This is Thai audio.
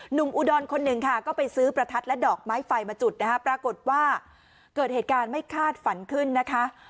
อุดรคนหนึ่งค่ะก็ไปซื้อประทัดและดอกไม้ไฟมาจุดนะคะปรากฏว่าเกิดเหตุการณ์ไม่คาดฝันขึ้นนะคะ